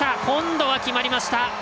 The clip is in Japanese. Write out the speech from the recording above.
今度は決まりました！